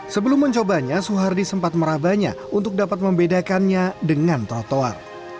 sebelum mencobanya suhardi sempat merabanya untuk dapat membedakannya dengan trotoar